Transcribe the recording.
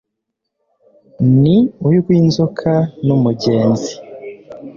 ni urw'inzoka n'umugenzi